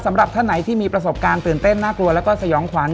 สำหรับท่านไหนที่มีประสบการณ์ตื่นเต้นน่ากลัวแล้วก็สยองขวัญ